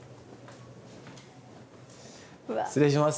失礼します。